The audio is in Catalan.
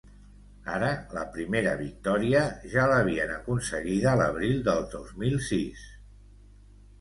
Ara, la primera victòria, ja l’havien aconseguida l’abril del dos mil sis.